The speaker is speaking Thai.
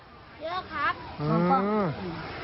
เยอะครับ